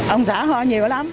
ông xã ho nhiều lắm